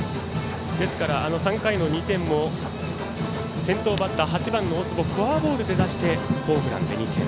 ですから、３回の２点も先頭バッター８番の大坪フォアボールで出してホームランで２点。